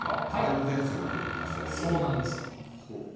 梅雨前線が出てきましたよね、そうなんですよ。